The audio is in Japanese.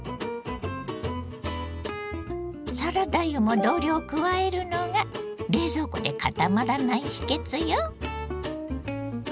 サラダ油も同量加えるのが冷蔵庫でかたまらない秘けつよ。